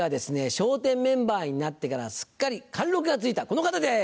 笑点メンバーになってからすっかり貫禄がついたこの方です！